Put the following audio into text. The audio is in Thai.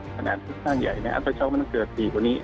ขนาดสุดทางใหญ่อัปเตอร์ช็อกต้องเกิด๔คุณิ